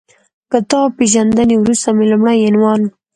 کتاب پېژندنې وروسته مې لومړی عنوان